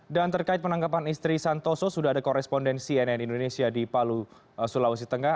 dan terkait penangkapan istri santoso sudah ada korespondensi nn indonesia di palu sulawesi tengah